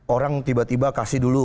orang tiba tiba kasih dulu